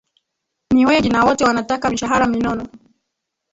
ni wengi na wote wanataka mishahara minono